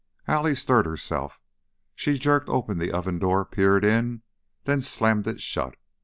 Allie stirred herself; she jerked open the oven door, peered in, then slammed it shut.